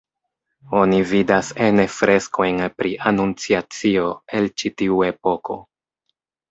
Oni vidas ene freskojn pri anunciacio el ĉi tiu epoko.